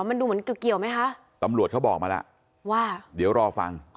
มันดูเหมือนเกี่ยวไหมคะตำรวจเขาบอกมาแล้วว่าเดี๋ยวรอฟัง